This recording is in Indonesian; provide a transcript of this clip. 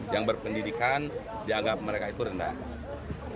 yang berpendidikan dianggap mereka itu rendah